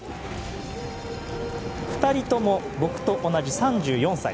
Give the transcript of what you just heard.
２人とも僕と同じ３４歳。